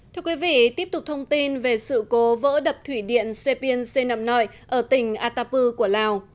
thưa quý vị tiếp tục thông tin về sự cố vỡ đập thủy điện sepien senam nội ở tỉnh atapu của lào